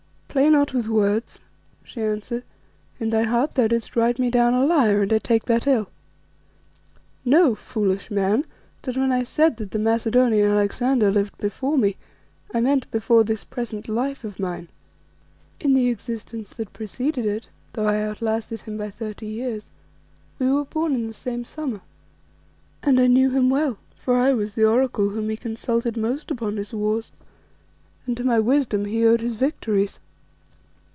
"Play not with words," she answered; "in thy heart thou didst write me down a liar, and I take that ill. Know, foolish man, that when I said that the Macedonian Alexander lived before me, I meant before this present life of mine. In the existence that preceded it, though I outlasted him by thirty years, we were born in the same summer, and I knew him well, for I was the Oracle whom he consulted most upon his wars, and to my wisdom he owed his victories.